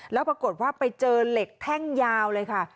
แล้วปรากฏว่าไปเจอเหล็กแท่งยาวเลยค่ะ